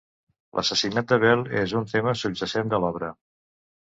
L'assassinat d'Abel és un tema subjacent de l'obra.